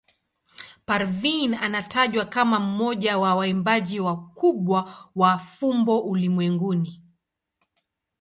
Parveen anatajwa kama mmoja wa waimbaji wakubwa wa fumbo ulimwenguni.